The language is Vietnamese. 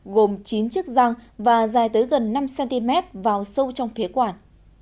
gồm chín chiếc răng và dài tới gần năm cm vào sâu trong phía quản